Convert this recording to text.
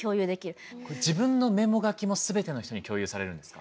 自分のメモ書きもすべての人に共有されるんですか？